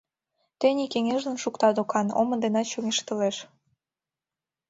Тений кеҥежлан шукта докан, омо денат чоҥештылеш.